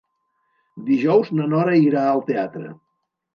Dijous na Nora irà al teatre.